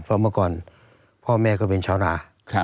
เพราะเมื่อก่อนพ่อแม่ก็เป็นชาวรา